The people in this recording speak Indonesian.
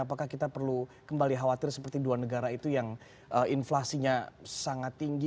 apakah kita perlu kembali khawatir seperti dua negara itu yang inflasinya sangat tinggi